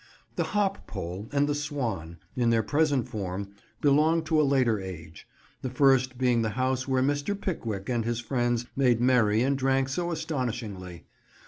The "Hop Pole" and the "Swan," in their present form, belong to a later age; the first being the house where Mr. Pickwick and his friends made merry and drank so astonishingly.